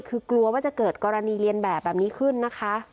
คือกลัวว่าจะเกิดกรณีเรียนแบบแบบนี้ขึ้นนะคะ